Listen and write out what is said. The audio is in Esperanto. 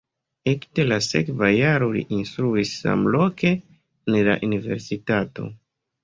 Ekde la sekva jaro li instruis samloke en la universitato.